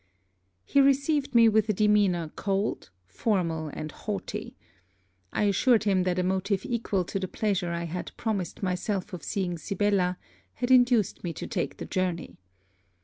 He received me with a demeanour cold, formal, and haughty. I assured him that a motive equal to the pleasure I had promised myself of seeing Sibella, had induced me to take the journey.